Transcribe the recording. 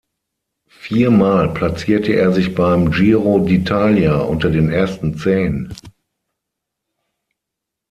Viermal platzierte er sich beim Giro d’Italia unter den ersten Zehn.